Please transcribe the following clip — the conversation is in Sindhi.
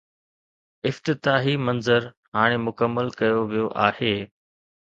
افتتاحي منظر هاڻي مڪمل ڪيو ويو آهي.